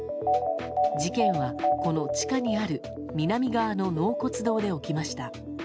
事件は、この地下にある南側の納骨堂で起きました。